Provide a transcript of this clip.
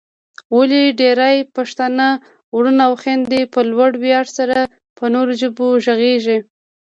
ولې ډېرای پښتانه وروڼه او خويندې په لوړ ویاړ سره په نورو ژبو غږېږي؟